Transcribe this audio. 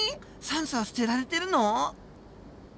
酸素は捨てられてるの？